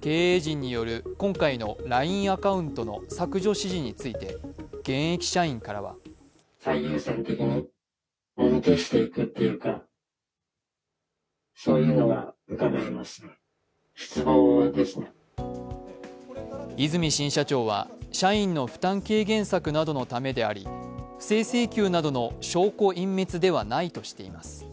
経営時による今回のＬＩＮＥアカウントの削除指示について現役社員からは和泉新社長は社員の負担軽減策などのためであり、不正請求などの証拠隠滅ではないとしています。